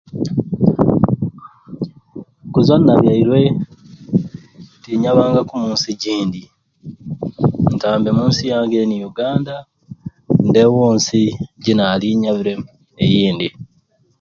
Kuzwa ninabyairwe, tinyabangaku mu nsi gindi nta mbe munsi yange eni Yuganda ndeewo nsi ginaali nyabiremu eindi